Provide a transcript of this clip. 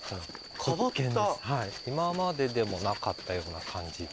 今まででもなかったような感じ。